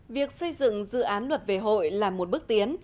việc xây dựng dự án luật về hội là một bước tiến